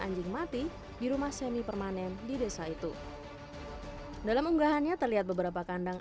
anjing mati di rumah semi permanen di desa itu dalam unggahannya terlihat beberapa kandang